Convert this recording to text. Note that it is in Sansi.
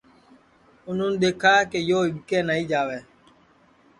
اُنون دیکھا کہ یو اِٻکے نائی جاوے